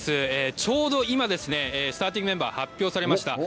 ちょうど今、スターティングメンバー発表されました。